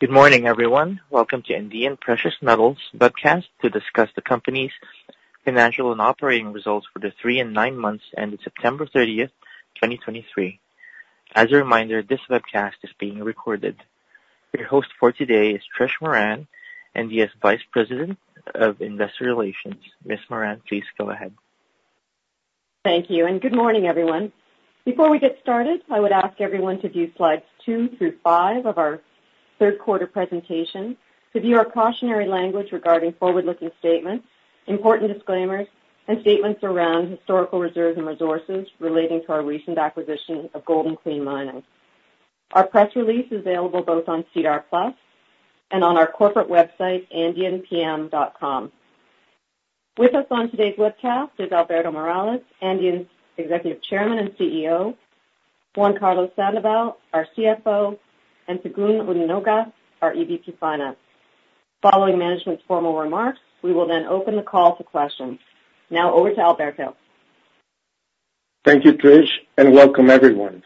Good morning, everyone. Welcome to Andean Precious Metals webcast to discuss the company's financial and operating results for the three and nine months ended September 30, 2023. As a reminder, this webcast is being recorded. Your host for today is Trish Moran, Andean's Vice President of Investor Relations. Ms. Moran, please go ahead. Thank you, and good morning, everyone. Before we get started, I would ask everyone to view slides 2 through 5 of our third quarter presentation to view our cautionary language regarding forward-looking statements, important disclaimers, and statements around historical reserves and resources relating to our recent acquisition of Golden Queen Mining. Our press release is available both on SEDAR+ and on our corporate website, andeanpm.com. With us on today's webcast is Alberto Morales, Andean's Executive Chairman and CEO, Juan Carlos Sandoval, our CFO, Segun Odunuga and, our EVP Finance. Following management's formal remarks, we will then open the call to questions. Now over to Alberto. Thank you, Trish, and welcome everyone.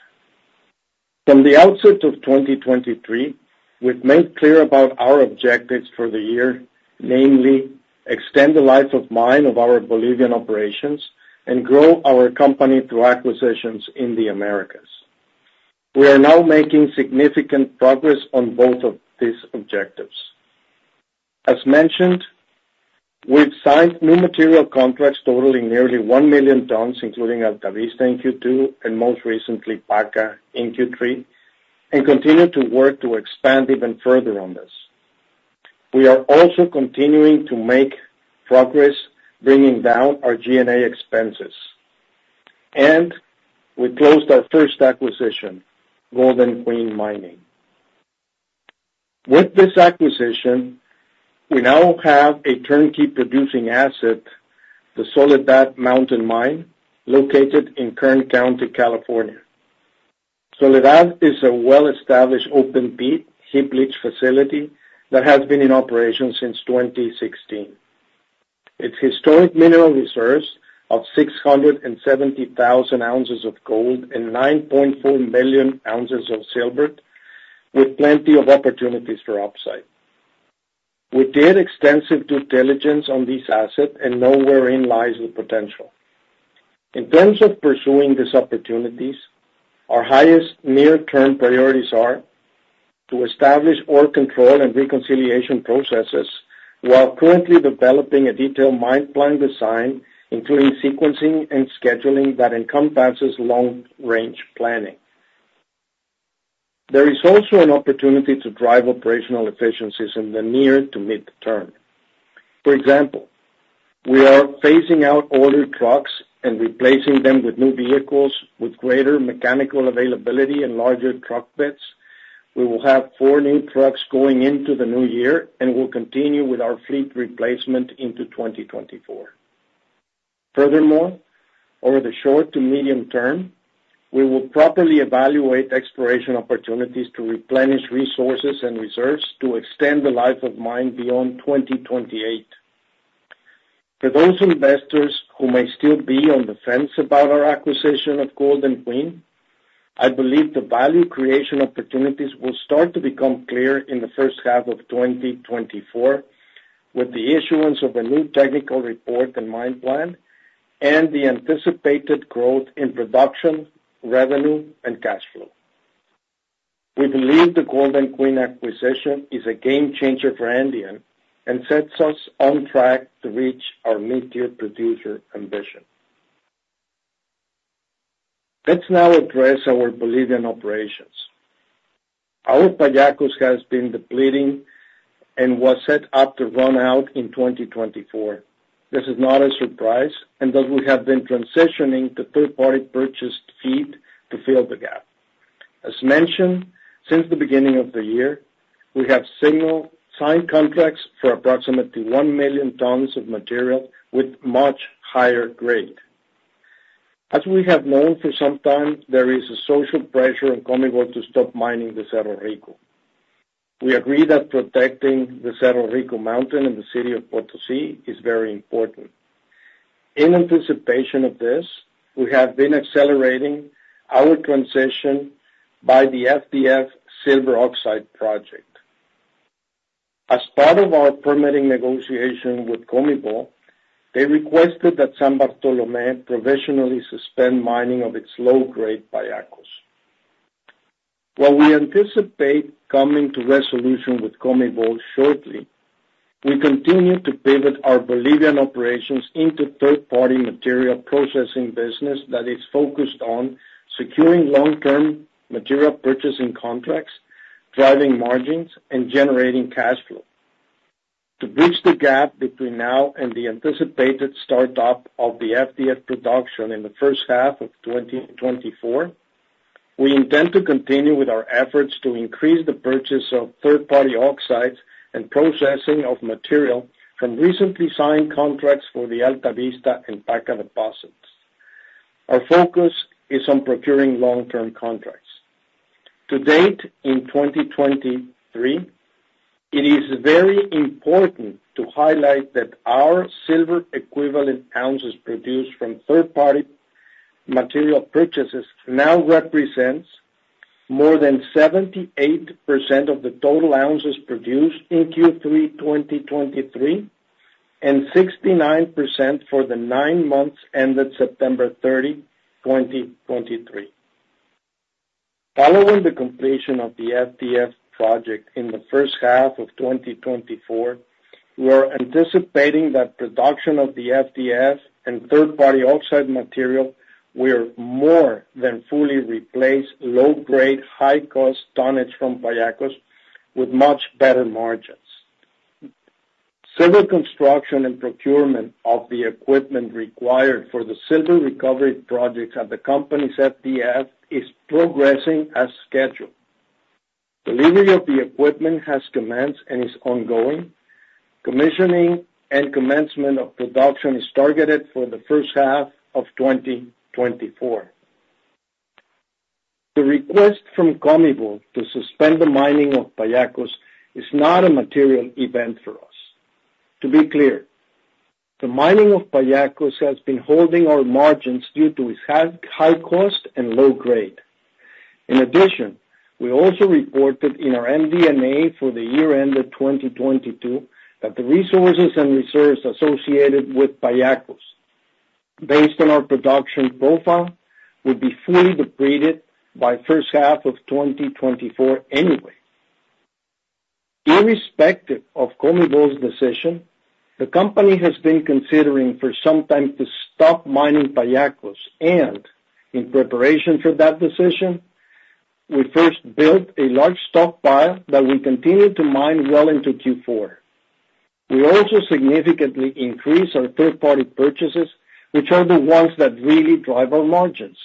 From the outset of 2023, we've made clear about our objectives for the year, namely, extend the life of mine of our Bolivian operations and grow our company through acquisitions in the Americas. We are now making significant progress on both of these objectives. As mentioned, we've signed new material contracts totaling nearly 1 million tons, including Alta Vista in Q2, and most recently, Paca in Q3, and continue to work to expand even further on this. We are also continuing to make progress, bringing down our G&A expenses, and we closed our first acquisition, Golden Queen Mining. With this acquisition, we now have a turnkey producing asset, the Soledad Mountain Mine, located in Kern County, California. Soledad is a well-established open pit heap leach facility that has been in operation since 2016. Its historic mineral reserves of 670,000 ounces of gold and 9.4 million ounces of silver, with plenty of opportunities for upside. We did extensive due diligence on this asset and know wherein lies the potential. In terms of pursuing these opportunities, our highest near-term priorities are to establish ore control and reconciliation processes while currently developing a detailed mine plan design, including sequencing and scheduling that encompasses long-range planning. There is also an opportunity to drive operational efficiencies in the near to mid-term. For example, we are phasing out older trucks and replacing them with new vehicles with greater mechanical availability and larger truck beds. We will have four new trucks going into the new year and will continue with our fleet replacement into 2024. Furthermore, over the short to medium term, we will properly evaluate exploration opportunities to replenish resources and reserves to extend the life of mine beyond 2028. For those investors who may still be on the fence about our acquisition of Golden Queen, I believe the value creation opportunities will start to become clear in the first half of 2024, with the issuance of a new technical report and mine plan and the anticipated growth in production, revenue, and cash flow. We believe the Golden Queen acquisition is a game changer for Andean and sets us on track to reach our mid-tier producer ambition. Let's now address our Bolivian operations. Our Pallacos has been depleting and was set up to run out in 2024. This is not a surprise, and thus we have been transitioning to third-party purchased feed to fill the gap. As mentioned, since the beginning of the year, we have signed contracts for approximately 1 million tons of material with much higher grade. As we have known for some time, there is a social pressure in COMIBOL to stop mining the Cerro Rico. We agree that protecting the Cerro Rico Mountain in the city of Potosí is very important. In anticipation of this, we have been accelerating our transition by the FDF silver oxide project. As part of our permitting negotiation with COMIBOL, they requested that San Bartolomé professionally suspend mining of its low-grade Pallacos. While we anticipate coming to resolution with COMIBOL shortly, we continue to pivot our Bolivian operations into third-party material processing business that is focused on securing long-term material purchasing contracts, driving margins, and generating cash flow. To bridge the gap between now and the anticipated start-up of the FDF production in the first half of 2024, we intend to continue with our efforts to increase the purchase of third-party oxides and processing of material from recently signed contracts for the Alta Vista and Paca deposits. Our focus is on procuring long-term contracts. To date, in 2023, it is very important to highlight that our silver equivalent ounces produced from third-party material purchases now represents more than 78% of the total ounces produced in Q3 2023, and 69% for the nine months ended September 30, 2023. Following the completion of the FDF project in the first half of 2024, we are anticipating that production of the FDF and third-party oxide material will more than fully replace low-grade, high-cost tonnage from Pallacos with much better margins. Civil construction and procurement of the equipment required for the silver recovery projects at the company's FDF is progressing as scheduled. Delivery of the equipment has commenced and is ongoing. Commissioning and commencement of production is targeted for the first half of 2024. The request from COMIBOL to suspend the mining of Pallacos is not a material event for us. To be clear, the mining of Pallacos has been holding our margins due to its high, high cost and low grade. In addition, we also reported in our MD&A for the year-end of 2022, that the resources and reserves associated with Pallacos, based on our production profile, will be fully depleted by first half of 2024 anyway. Irrespective of COMIBOL's decision, the company has been considering for some time to stop mining Pallacos, and in preparation for that decision, we first built a large stockpile that we continued to mine well into Q4. We also significantly increased our third-party purchases, which are the ones that really drive our margins.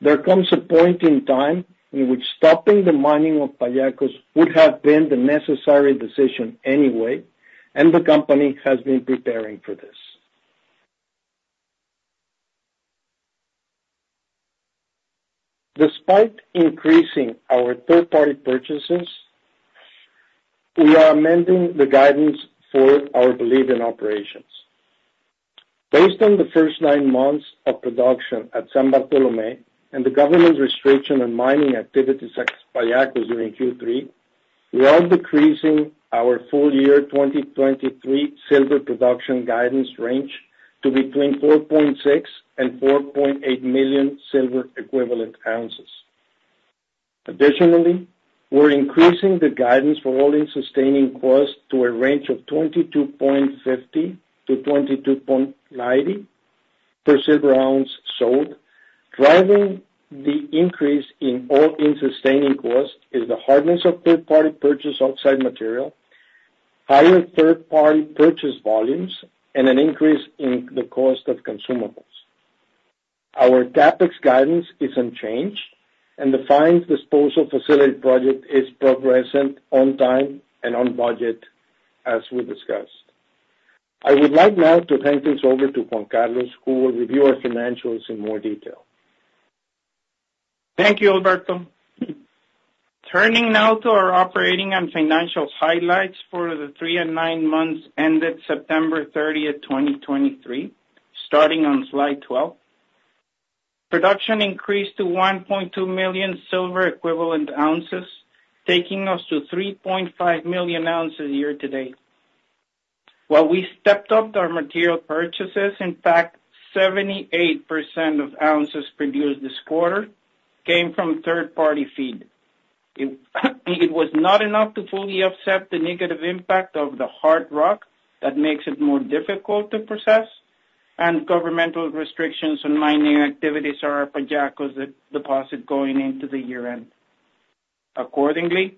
There comes a point in time in which stopping the mining of Pallacos would have been the necessary decision anyway, and the company has been preparing for this. Despite increasing our third-party purchases, we are amending the guidance for our Bolivian operations. Based on the first nine months of production at San Bartolomé, and the government's restriction on mining activities at Pallacos during Q3, we are decreasing our full-year 2023 silver production guidance range to between 4.6 and 4.8 million silver equivalent ounces. Additionally, we're increasing the guidance for all-in sustaining costs to a range of $22.50-$22.90 per silver ounces sold. Driving the increase in all-in sustaining costs is the hardness of third-party purchase outside material, higher third-party purchase volumes, and an increase in the cost of consumables. Our CapEx guidance is unchanged, and the Fines Disposal Facility project is progressing on time and on budget, as we discussed. I would like now to hand things over to Juan Carlos, who will review our financials in more detail. Thank you, Alberto. Turning now to our operating and financial highlights for the three and nine months ended September 30, 2023, starting on slide 12. Production increased to 1.2 million silver equivalent ounces, taking us to 3.5 million ounces year to date. While we stepped up our material purchases, in fact, 78% of ounces produced this quarter came from third-party feed. It was not enough to fully offset the negative impact of the hard rock that makes it more difficult to process, and governmental restrictions on mining activities at Pallacos deposit going into the year-end. Accordingly,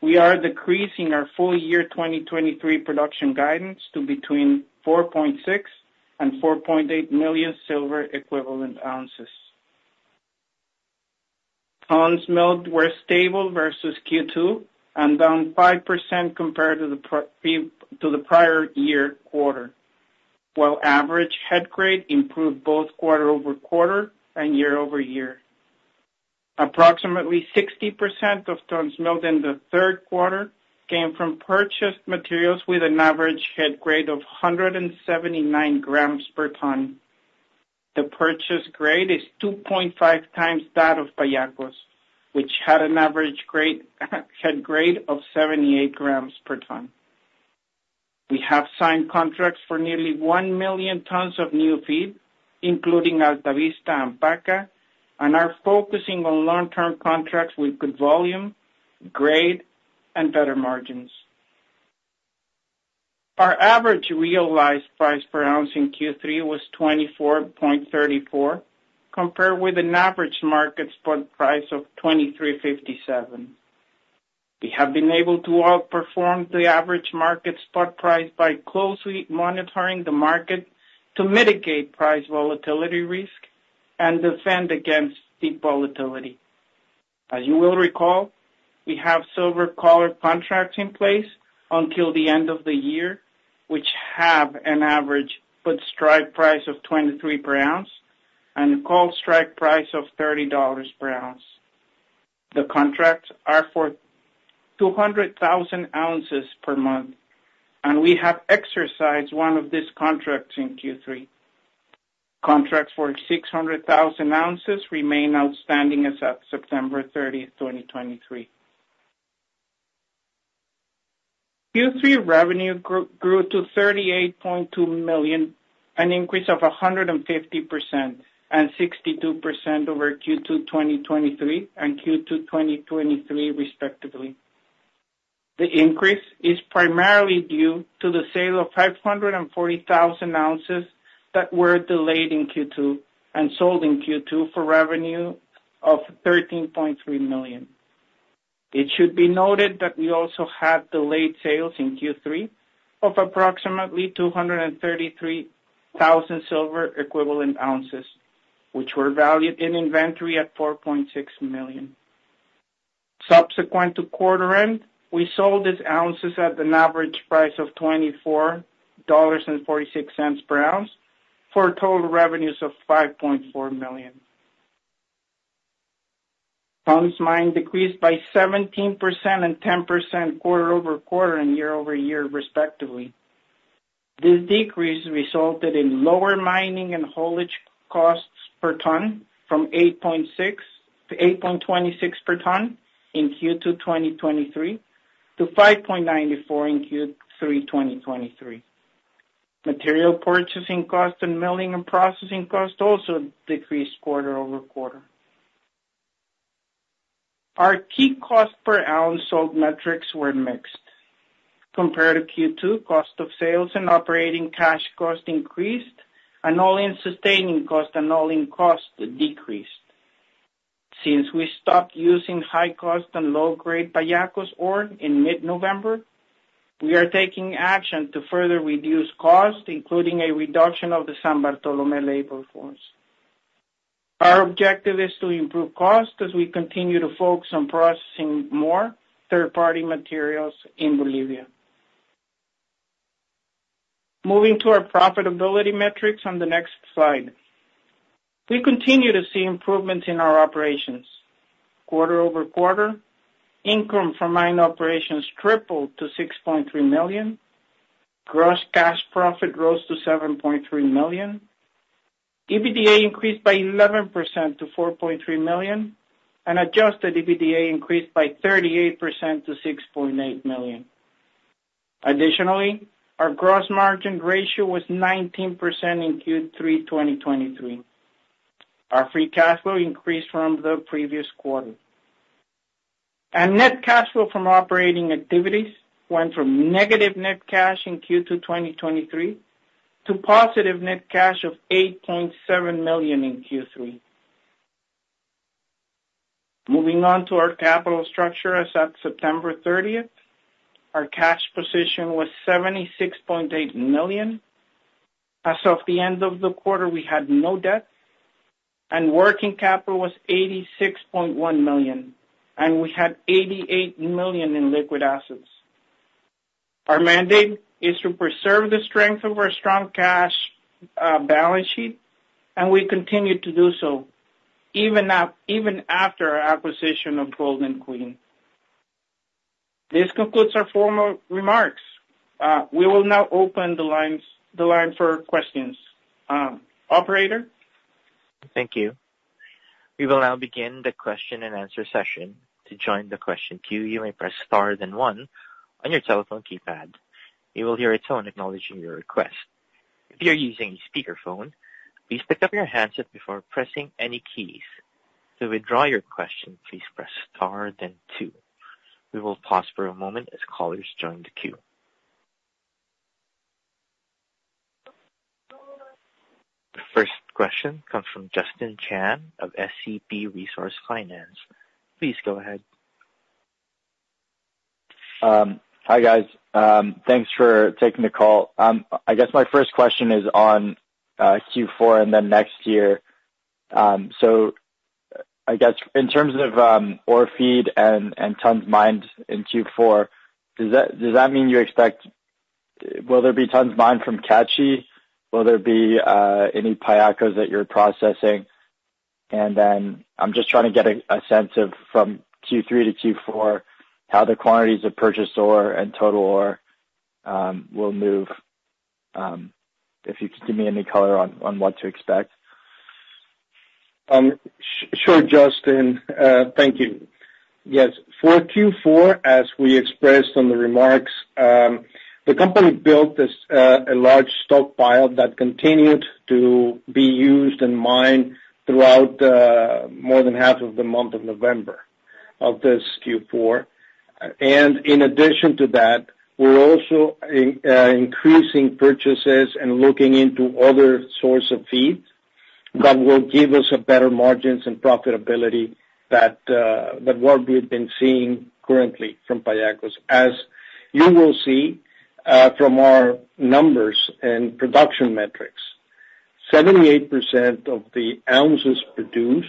we are decreasing our full year 2023 production guidance to between 4.6 million and 4.8 million silver equivalent ounces. Tons milled were stable versus Q2 and down 5% compared to the prior year quarter, while average head grade improved both quarter-over-quarter and year-over-year. Approximately 60% of tons milled in the third quarter came from purchased materials with an average head grade of 179 grams per ton. The purchase grade is 2.5 times that of Pallacos, which had an average grade, head grade of 78 grams per ton. We have signed contracts for nearly 1 million tons of new feed, including Alta Vista and Paca, and are focusing on long-term contracts with good volume, grade, and better margins. Our average realized price per ounce in Q3 was $24.34, compared with an average market spot price of $23.57. We have been able to outperform the average market spot price by closely monitoring the market to mitigate price volatility risk and defend against steep volatility. As you will recall, we have silver collar contracts in place until the end of the year, which have an average put strike price of $23 per ounce and a call strike price of $30 per ounce. The contracts are for 200,000 ounces per month, and we have exercised one of these contracts in Q3. Contracts for 600,000 ounces remain outstanding as of September 30, 2023. Q3 revenue grew to $38.2 million, an increase of 150% and 62% over Q2 2023 and Q2 2023, respectively. The increase is primarily due to the sale of 540,000 ounces that were delayed in Q2 and sold in Q2 for revenue of $13.3 million. It should be noted that we also had delayed sales in Q3 of approximately 233,000 silver equivalent ounces, which were valued in inventory at $4.6 million. Subsequent to quarter end, we sold these ounces at an average price of $24.46 per ounce, for total revenues of $5.4 million. Tons mined decreased by 17% and 10% quarter-over-quarter and year-over-year, respectively. This decrease resulted in lower mining and haulage costs per ton, from 8.6 to 8.26 per ton in Q2, 2023, to 5.94 in Q3, 2023. Material purchasing cost and milling and processing cost also decreased quarter-over-quarter. Our key cost per ounce sold metrics were mixed. Compared to Q2, cost of sales and operating cash cost increased, and all-in sustaining cost and all-in cost decreased. Since we stopped using high cost and low-grade Pallacos ore in mid-November, we are taking action to further reduce costs, including a reduction of the San Bartolomé labor force. Our objective is to improve costs as we continue to focus on processing more third-party materials in Bolivia. Moving to our profitability metrics on the next slide. We continue to see improvements in our operations. Quarter-over-quarter, income from mining operations tripled to $6.3 million, gross cash profit rose to $7.3 million, EBITDA increased by 11% to $4.3 million, and adjusted EBITDA increased by 38% to $6.8 million. Additionally, our gross margin ratio was 19% in Q3 2023. Our free cash flow increased from the previous quarter. And net cash flow from operating activities went from negative net cash in Q2 2023, to positive net cash of $8.7 million in Q3. Moving on to our capital structure. As of September 30, our cash position was $76.8 million. As of the end of the quarter, we had no debt, and working capital was $86.1 million, and we had $88 million in liquid assets. Our mandate is to preserve the strength of our strong cash balance sheet, and we continue to do so even after our acquisition of Golden Queen. This concludes our formal remarks. We will now open the line for questions. Operator? Thank you. We will now begin the question-and-answer session. To join the question queue, you may press * then 1 on your telephone keypad. You will hear a tone acknowledging your request. If you are using a speakerphone, please pick up your handset before pressing any keys. To withdraw your question, please press * then 2. We will pause for a moment as callers join the queue. The first question comes from Justin Chan of SCP Resource Finance. Please go ahead. Hi, guys. Thanks for taking the call. I guess my first question is on Q4 and then next year. So I guess in terms of ore feed and tons mined in Q4, does that mean you expect... Will there be tons mined from Cachi? Will there be any Pallacos that you're processing? And then I'm just trying to get a sense of, from Q3 to Q4, how the quantities of purchased ore and total ore will move, if you could give me any color on what to expect. Sure, Justin. Thank you. Yes, for Q4, as we expressed on the remarks, the company built this, a large stockpile that continued to be used and mined throughout, more than half of the month of November, of this Q4. And in addition to that, we're also increasing purchases and looking into other source of feeds that will give us a better margins and profitability that, than what we've been seeing currently from Pallacos. As you will see, from our numbers and production metrics, 78% of the ounces produced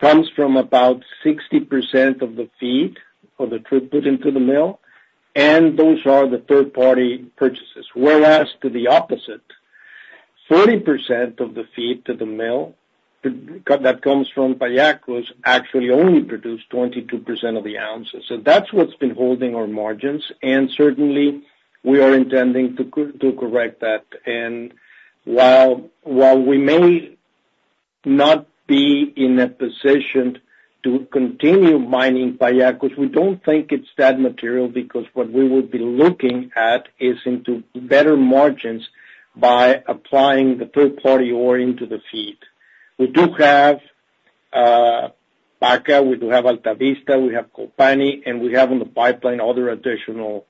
comes from about 60% of the feed or the throughput into the mill, and those are the third-party purchases, whereas to the opposite 40% of the feed to the mill, that comes from Pallacos, actually only produce 22% of the ounces. So that's what's been holding our margins, and certainly, we are intending to to correct that. And while we may not be in a position to continue mining Pallacos, we don't think it's that material, because what we would be looking at is into better margins by applying the third-party ore into the feed. We do have Paca, we do have Alta Vista, we have Cachi, and we have on the pipeline other additional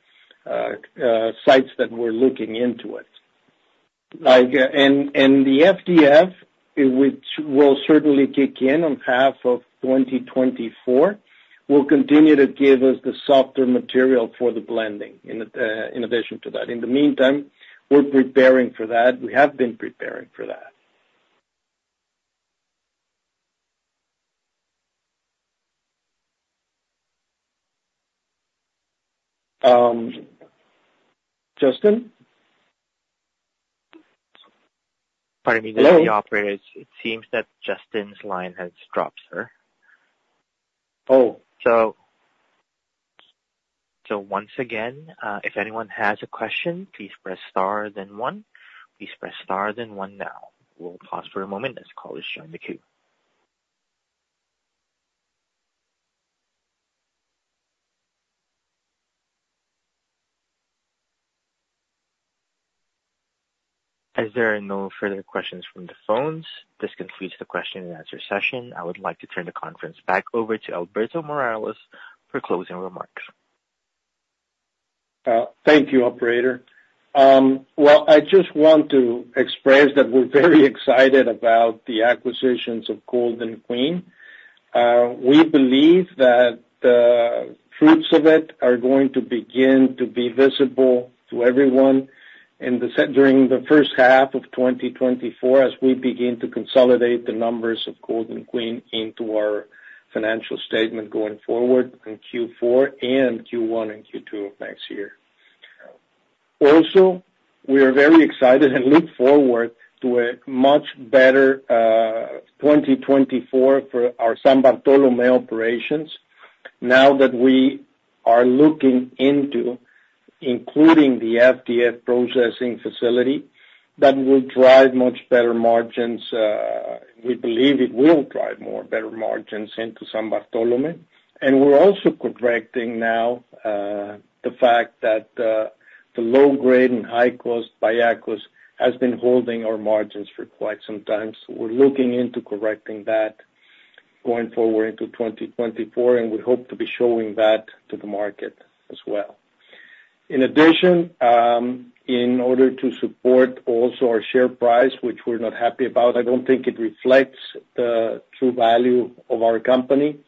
sites that we're looking into it. Like, and the FDF, which will certainly kick in on half of 2024, will continue to give us the softer material for the blending, in addition to that. In the meantime, we're preparing for that. We have been preparing for that. Justin? Pardon me, the operator. It seems that Justin's line has dropped, sir. Once again, if anyone has a question, please press * then 1. Please press * then 1 now. We'll pause for a moment as calls join the queue. As there are no further questions from the phones, this concludes the question and answer session. I would like to turn the conference back over to Alberto Morales for closing remarks. Thank you, operator. Well, I just want to express that we're very excited about the acquisitions of Golden Queen. We believe that the fruits of it are going to begin to be visible to everyone during the first half of 2024, as we begin to consolidate the numbers of Golden Queen into our financial statement going forward in Q4 and Q1 and Q2 of next year. Also, we are very excited and look forward to a much better 2024 for our San Bartolomé operations. Now that we are looking into including the FDF processing facility, that will drive much better margins. We believe it will drive more better margins into San Bartolomé. And we're also correcting now the fact that the low grade and high cost Pallacos has been holding our margins for quite some time. So we're looking into correcting that going forward into 2024, and we hope to be showing that to the market as well. In addition, in order to support also our share price, which we're not happy about, I don't think it reflects the true value of our company.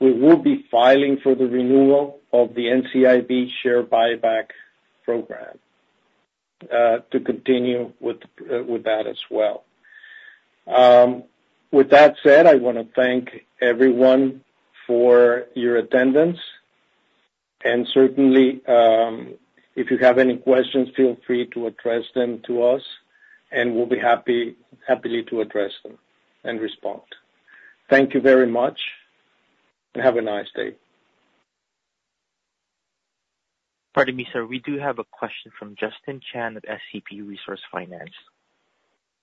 We will be filing for the renewal of the NCIB share buyback program, to continue with that as well. With that said, I want to thank everyone for your attendance, and certainly, if you have any questions, feel free to address them to us, and we'll be happy, happily to address them and respond. Thank you very much, and have a nice day. Pardon me, sir. We do have a question from Justin Chan of SCP Resource Finance.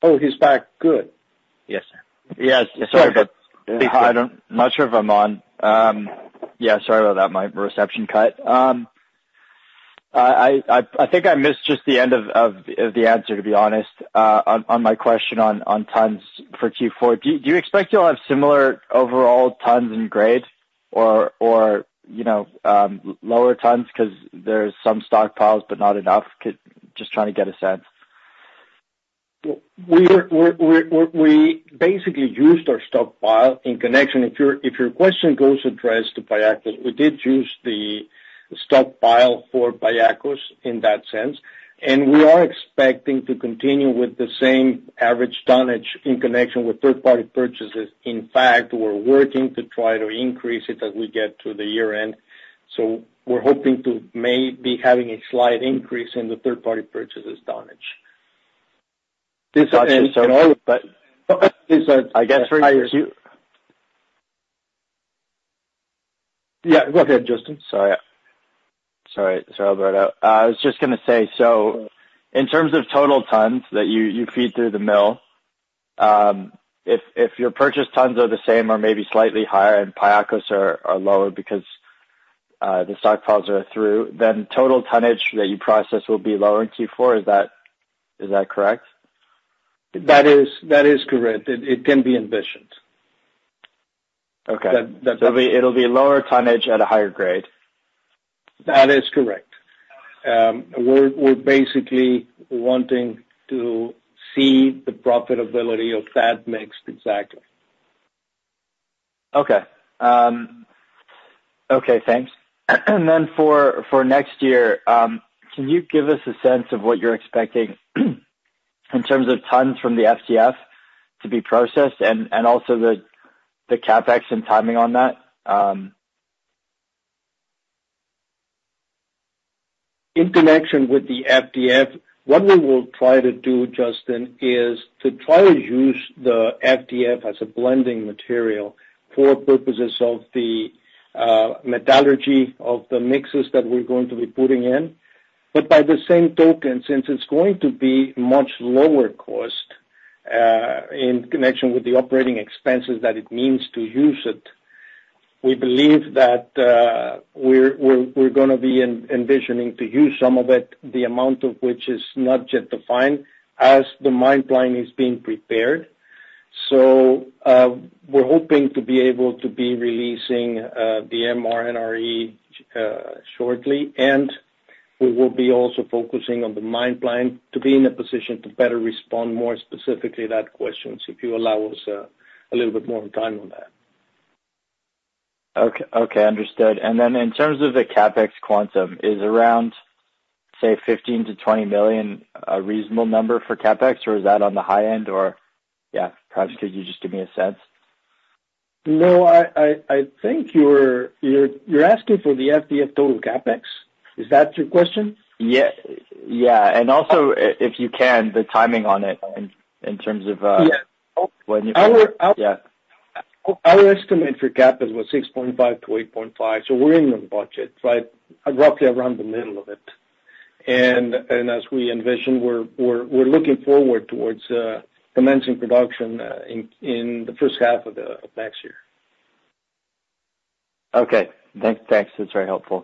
Oh, he's back, good. Yes, sir. Yes, sorry, but- I'm not sure if I'm on. Yeah, sorry about that. My reception cut. I think I missed just the end of the answer, to be honest, on my question on tons for Q4. Do you expect you'll have similar overall tons and grades or, you know, lower tons? Because there's some stockpiles, but not enough. Could... Just trying to get a sense. We basically used our stockpile in connection. If your question goes addressed to Pallacos, we did use the stockpile for Pallacos in that sense, and we are expecting to continue with the same average tonnage in connection with third-party purchases. In fact, we're working to try to increase it as we get to the year end. So we're hoping to may be having a slight increase in the third-party purchases tonnage. Got you, sir. But I guess for you- Yeah, go ahead, Justin. Sorry. Sorry, sorry, Alberto. I was just gonna say, so in terms of total tons that you feed through the mill, if your purchase tons are the same or maybe slightly higher and Pallacos are lower because the stockpiles are through, then total tonnage that you process will be lower in Q4. Is that correct? That is correct. It can be envisioned. Okay. That, that- It'll be lower tonnage at a higher grade. That is correct. We're basically wanting to see the profitability of that mix. Exactly. Okay. Okay, thanks. And then for next year, can you give us a sense of what you're expecting in terms of tons from the FDF to be processed and also the CapEx and timing on that? In connection with the FDF, what we will try to do, Justin, is to try to use the FDF as a blending material for purposes of the metallurgy of the mixes that we're going to be putting in. But by the same token, since it's going to be much lower cost in connection with the operating expenses that it means to use it, we believe that we're gonna be envisioning to use some of it, the amount of which is not yet defined as the mine plan is being prepared. So, we're hoping to be able to be releasing the MRMR shortly, and we will be also focusing on the mine plan to be in a position to better respond more specifically to that question, if you allow us a little bit more time on that. Okay, okay, understood. And then in terms of the CapEx quantum, is around, say, $15 million-$20 million a reasonable number for CapEx, or is that on the high end? Or, yeah, perhaps could you just give me a sense? No, I think you're asking for the FDF total CapEx. Is that your question? Yes, and also, if you can, the timing on it in terms of, When you... Our estimate for CapEx was $6.5-$8.5, so we're in the budget, right roughly around the middle of it. As we envisioned, we're looking forward towards commencing production in the first half of next year. Okay. Thanks. It's very helpful.